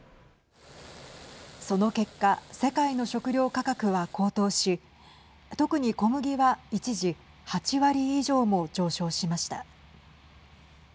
その結果世界の食料価格は高騰し特に小麦は一時８割以上も上昇しました。